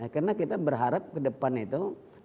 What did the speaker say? karena kita berharap ke depan itu